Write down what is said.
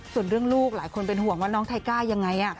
ส่วนเรื่องลูกหลายคนเป็นห่วงว่าน้องไทก้ายังไง